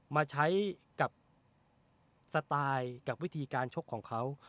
มาใช้กับสไตล์กับวิธีการชกของเขา